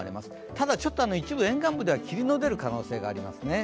ただちょっと一部沿岸部では霧の出る可能性がありますね。